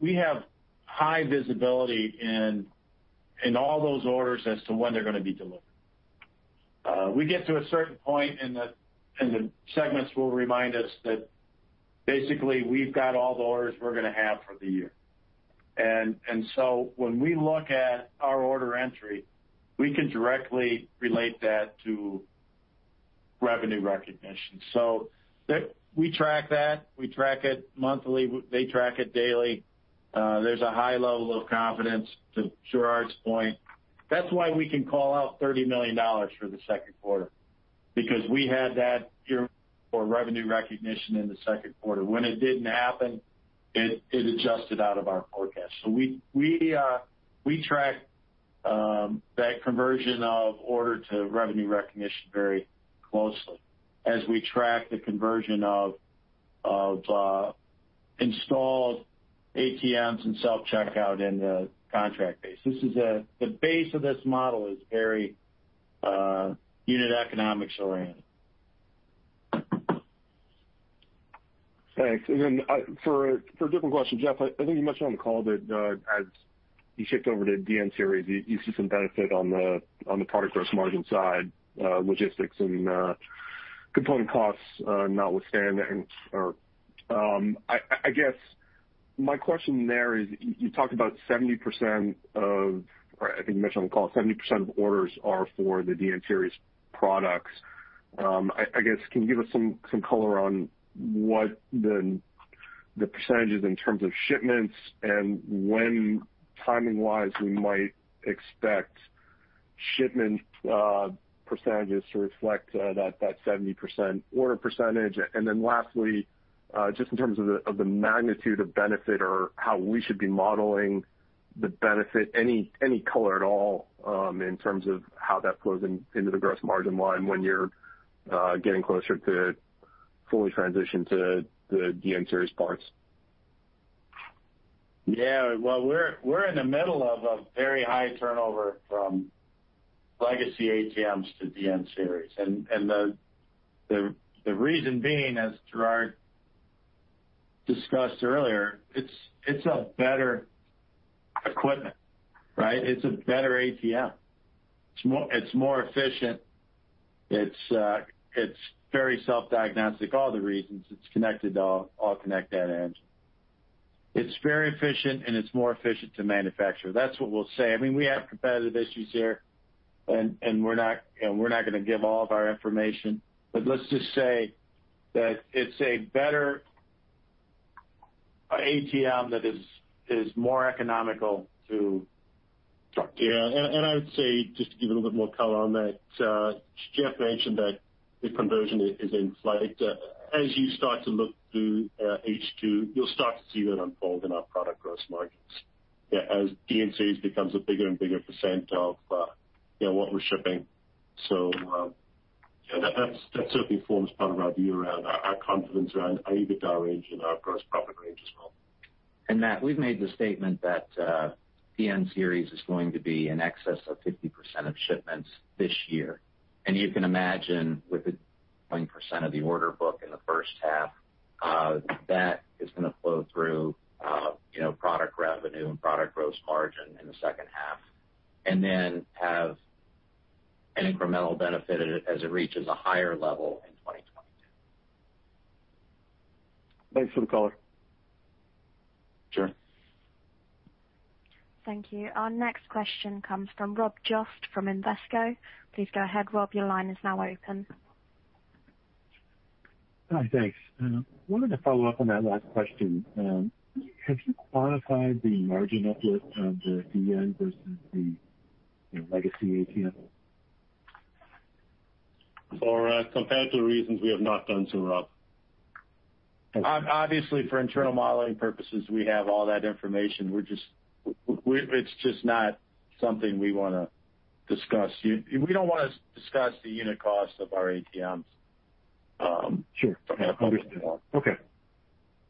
We have high visibility in all those orders as to when they're going to be delivered. We get to a certain point, and the segments will remind us that basically, we've got all the orders we're going to have for the year. When we look at our order entry, we can directly relate that to revenue recognition. We track that. We track it monthly. They track it daily. There's a high level of confidence, to Gerrard's point. That's why we can call out $30 million for the second quarter because we had that revenue recognition in the second quarter. When it didn't happen, it adjusted out of our forecast. We track that conversion of order to revenue recognition very closely as we track the conversion of installed ATMs and self-checkout in the contract base. The base of this model is very unit economics oriented. Thanks. For a different question, Jeff, I think you mentioned on the call that as you shift over to DN Series, you see some benefit on the product gross margin side, logistics and component costs notwithstanding. I guess my question there is, I think you mentioned on the call, 70% of orders are for the DN Series products. Can you give us some color on what the percentage is in terms of shipments and when timing-wise we might expect shipment percentages to reflect that 70% order percentage? Lastly, just in terms of the magnitude of benefit or how we should be modeling the benefit, any color at all in terms of how that flows into the gross margin line when you're getting closer to fully transition to the DN Series parts? We're in the middle of a very high turnover from legacy ATMs to DN Series. The reason being, as Gerrard discussed earlier, it's better equipment, right? It's a better ATM. It's more efficient. It's very self-diagnostic, all the reasons. It's connected to our AllConnect Data Engine. It's very efficient, and it's more efficient to manufacture. That's what we'll say. We have competitive issues here, and we're not going to give all of our information, but let's just say that it's a better ATM that is more economical to manufacture. Yeah. I would say, just to give a little bit more color on that, Jeff mentioned that the conversion is in flight. As you start to look through H2, you'll start to see that unfold in our product gross margins. As DN Series becomes a bigger and bigger percent of what we're shipping. That certainly forms part of our view around our confidence around EBITDA range and our gross profit range as well. Matt, we've made the statement that DN Series is going to be in excess of 50% of shipments this year. You can imagine with the 20% of the order book in the first half, that is going to flow through product revenue and product gross margin in the second half. Then have an incremental benefit as it reaches a higher level in 2022. Thanks for the color. Sure. Thank you. Our next question comes from Rob Jost from Invesco. Please go ahead, Rob. Your line is now open. Hi. Thanks. I wanted to follow up on that last question. Have you quantified the margin uplift of the DN versus the legacy ATM? For competitive reasons, we have not done so, Rob. Okay. Obviously, for internal modeling purposes, we have all that information. It's just not something we want to discuss. We don't want to discuss the unit cost of our ATMs. Sure. Understood. Okay.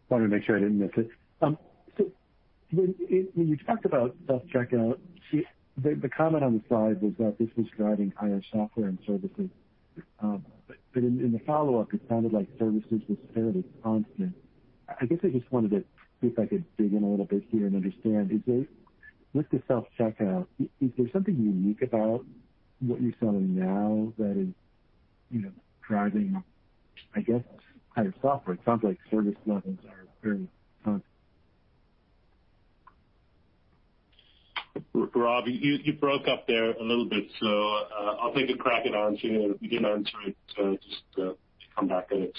Wanted to make sure I didn't miss it. When you talked about self-checkout, the comment on the side was that this was driving higher software and services. In the follow-up, it sounded like services was fairly constant. I guess I just wanted to see if I could dig in a little bit here and understand. With the self-checkout, is there something unique about what you're selling now that is driving, I guess, higher software? It sounds like service levels are very constant. Rob, you broke up there a little bit, so I'll take a crack at answering it. If we didn't answer it, just come back at it.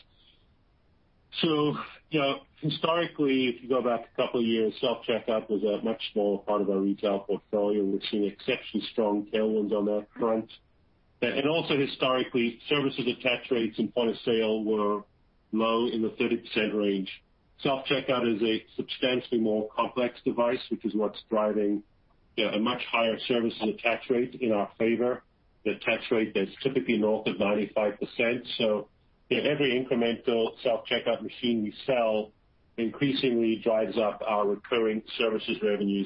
Historically, if you go back a couple of years, self-checkout was a much smaller part of our retail portfolio, and we've seen exceptionally strong tailwinds on that front. Also historically, services attach rates and point-of-sale were low in the 30% range. Self-checkout is a substantially more complex device, which is what's driving a much higher service attach rate in our favor, attach rate that's typically north of 95%. Every incremental self-checkout machine we sell increasingly drives up our recurring services revenue.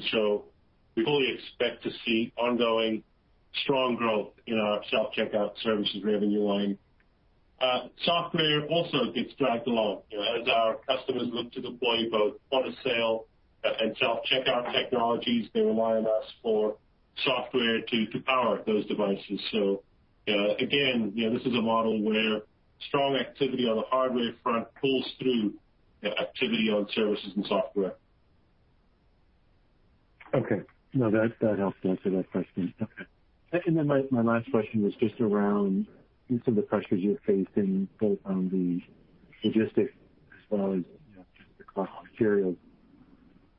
We fully expect to see ongoing strong growth in our self-checkout services revenue line. Software also gets dragged along. As our customers look to deploy both point-of-sale and self-checkout technologies, they rely on us for software to power those devices. Again, this is a model where strong activity on the hardware front pulls through activity on services and software. Okay. No, that helped answer that question. Okay. My last question was just around some of the pressures you're facing, both on the logistics as well as just the cost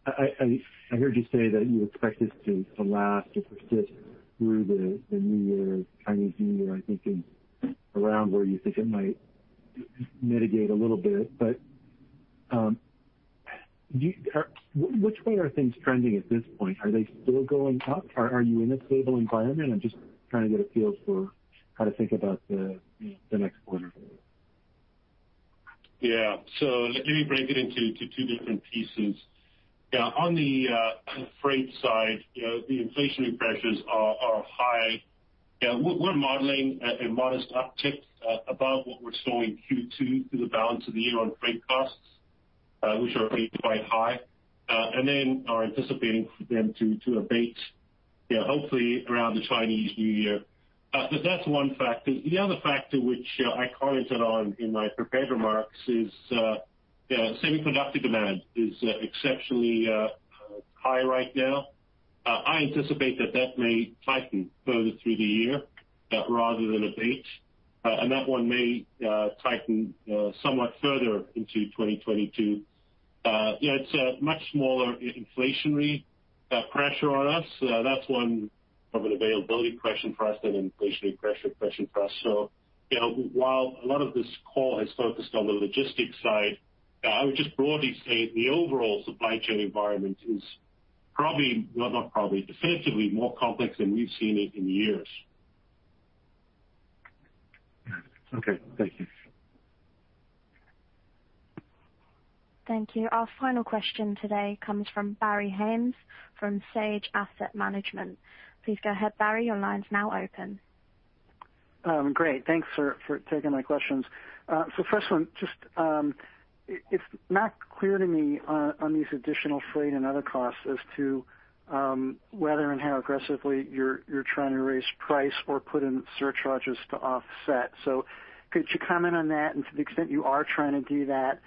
of materials. I heard you say that you expect this to last or persist through the new year, Chinese New Year, I think is around where you think it might mitigate a little bit. Which way are things trending at this point? Are they still going up? Are you in a stable environment? I'm just trying to get a feel for how to think about the next quarter. Let me break it into two different pieces. On the freight side, the inflationary pressures are high. We're modeling a modest uptick above what we're seeing Q2 through the balance of the year on freight costs, which are already quite high. Are anticipating for them to abate, hopefully around the Chinese New Year. That's one factor. The other factor, which I commented on in my prepared remarks is semiconductor demand is exceptionally high right now. I anticipate that that may tighten further through the year rather than abate. That one may tighten somewhat further into 2022. It's a much smaller inflationary pressure on us. That's one of an availability pressure for us than an inflationary pressure for us. While a lot of this call has focused on the logistics side, I would just broadly say the overall supply chain environment is definitively more complex than we've seen it in years. Okay. Thank you. Thank you. Our final question today comes from Barry Haimes from Sage Asset Management. Please go ahead, Barry, your line's now open. Great. Thanks for taking my questions. First one, it's not clear to me on these additional freight and other costs as to whether and how aggressively you're trying to raise price or put in surcharges to offset. Could you comment on that? To the extent you are trying to do that,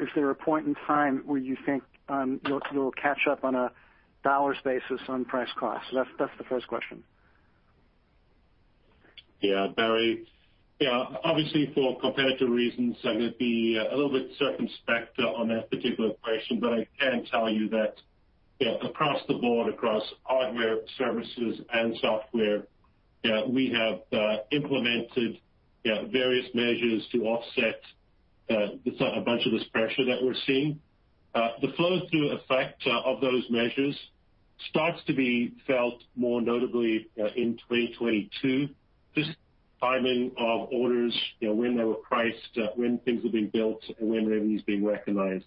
is there a point in time where you think it'll catch up on a dollars basis on price cost? That's the first question. Yeah, Barry. Obviously, for competitive reasons, I'm going to be a little bit circumspect on that particular question, but I can tell you that across the board, across hardware, services, and software, we have implemented various measures to offset a bunch of this pressure that we're seeing. The flow-through effect of those measures starts to be felt more notably in 2022. Just timing of orders, when they were priced, when things were being built, and when revenue is being recognized.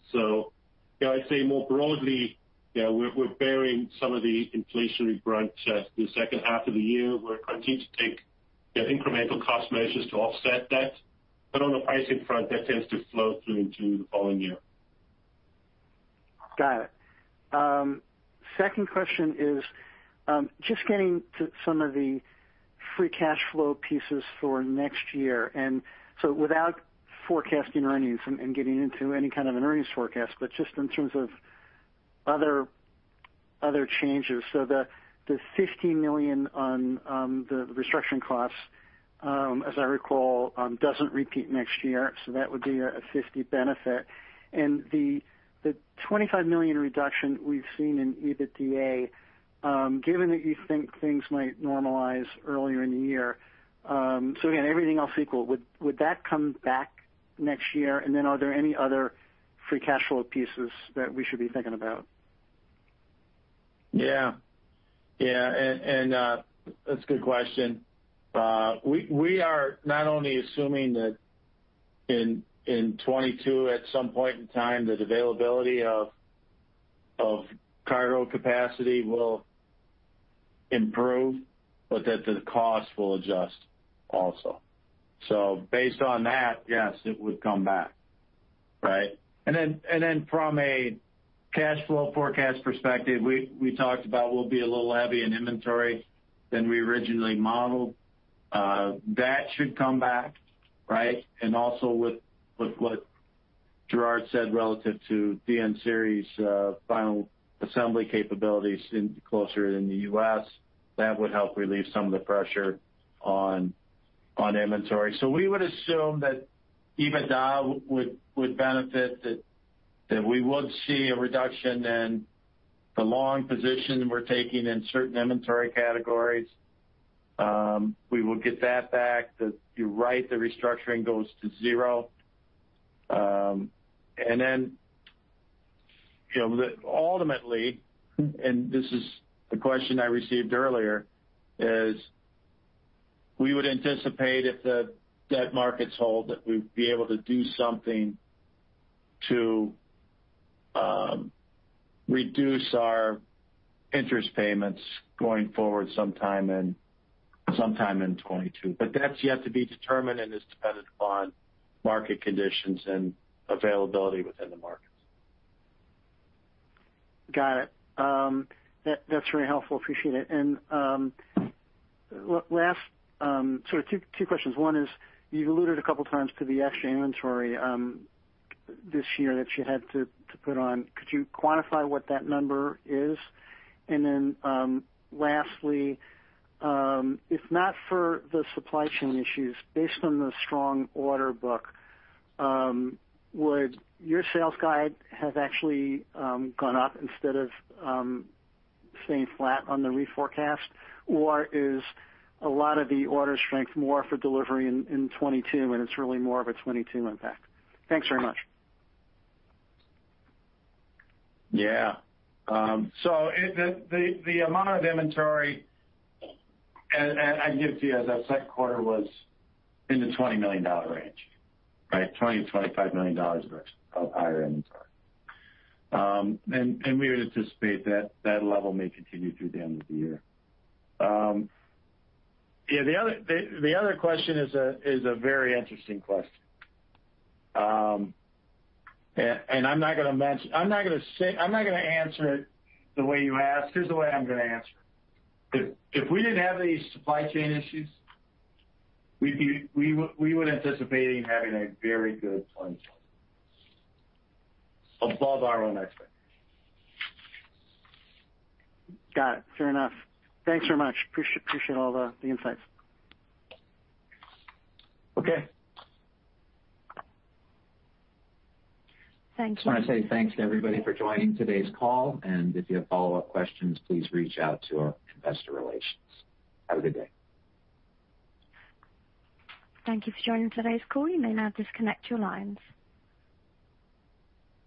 I'd say more broadly, we're bearing some of the inflationary brunt the second half of the year. We're continuing to take incremental cost measures to offset that. On the pricing front, that tends to flow through into the following year. Got it. Second question is, just getting to some of the free cash flow pieces for next year. Without forecasting earnings and getting into any kind of an earnings forecast, but just in terms of other changes. The $50 million on the restructuring costs, as I recall, doesn't repeat next year. That would be a $50 million benefit. The $25 million reduction we've seen in EBITDA, given that you think things might normalize earlier in the year, again, everything else equal, would that come back next year? Are there any other free cash flow pieces that we should be thinking about? That's a good question. We are not only assuming that in 2022, at some point in time, that availability of cargo capacity will improve, but that the cost will adjust also. Based on that, yes, it would come back. Right? From a cash flow forecast perspective, we talked about we'll be a little heavy in inventory than we originally modeled. That should come back. Right? With what Gerrard said relative to DN Series final assembly capabilities closer in the U.S., that would help relieve some of the pressure on inventory. We would assume that EBITDA would benefit, that we would see a reduction in the long position we're taking in certain inventory categories. We will get that back. You're right, the restructuring goes to zero. Ultimately, and this is the question I received earlier, is we would anticipate if the debt markets hold, that we'd be able to do something to reduce our interest payments going forward sometime in 2022. That's yet to be determined, and is dependent upon market conditions and availability within the markets. Got it. That's very helpful. Appreciate it. Last, sort of two questions. One is, you've alluded a couple times to the extra inventory this year that you had to put on. Could you quantify what that number is? Lastly, if not for the supply chain issues, based on the strong order book, would your sales guide have actually gone up instead of staying flat on the reforecast? Or is a lot of the order strength more for delivery in 2022, and it's really more of a 2022 impact? Thanks very much. Yeah. The amount of inventory, and I can give it to you as that second quarter was in the $20 million range. Right? $20 million-$25 million of higher inventory. We would anticipate that level may continue through the end of the year. The other question is a very interesting question. I'm not going to answer it the way you asked. Here's the way I'm going to answer it. If we didn't have any supply chain issues, we would anticipate having a very good 2020. Above our own expectations. Got it. Fair enough. Thanks very much. Appreciate all the insights. Okay. Thank you. I just want to say thanks to everybody for joining today's call. If you have follow-up questions, please reach out to our Investor Relations. Have a good day. Thank you for joining today's call. You may now disconnect your lines.